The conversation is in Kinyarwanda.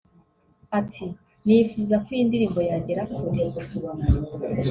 Ati « Nifuza ko iyi ndirimbo yagera kure